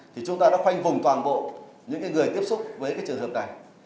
thì chúng ta đã khoanh vùng toàn bộ những người tiếp xúc với trường hợp này